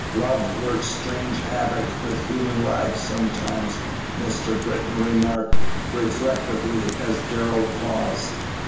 "Love works strange havoc with human lives sometimes," Mr. Britton remarked, reflectively, as Darrell paused.